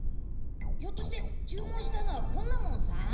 ひょっとして注文したのは昆奈門さん？